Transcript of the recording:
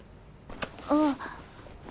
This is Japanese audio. あっ。